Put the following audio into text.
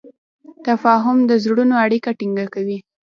تفاهم د زړونو اړیکه ټینګه کوي.